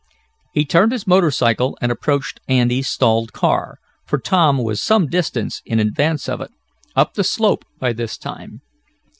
He turned his motor cycle, and approached Andy's stalled car, for Tom was some distance in advance of it, up the slope by this time.